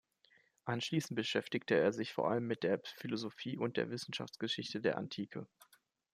Anschließend beschäftigte er sich vor allem mit der Philosophie- und der Wissenschaftsgeschichte der Antike.